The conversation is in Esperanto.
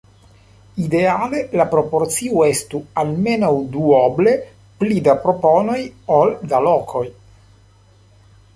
Ideale la proporcio estu almenaŭ duoble pli da proponoj ol da lokoj.